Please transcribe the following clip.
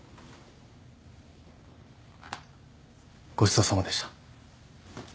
ごちそうさまでした。